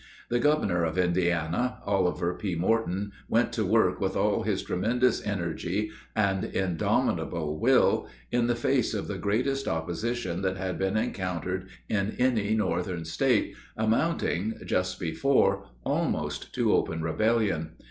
The governor of Indiana, Oliver P. Morton, went to work with all his tremendous energy and indomitable will, in the face of the greatest opposition that had been encountered in any Northern State, amounting, just before, almost to open rebellion.